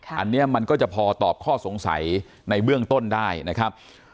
อันนี้มันก็จะพอตอบข้อสงสัยในเบื้องต้นได้นะครับ